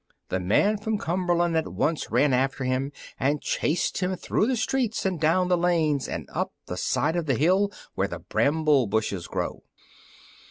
The man from Cumberland at once ran after him, and chased him through the streets and down the lanes and up the side of the hill where the bramble bushes grow.